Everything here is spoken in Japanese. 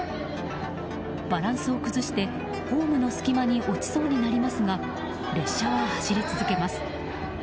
バランスを崩してホームの隙間に落ちそうになりますが列車は走り続けます。